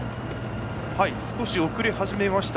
少し遅れ始めました。